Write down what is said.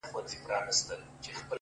o سم پسرلى ترې جوړ سي،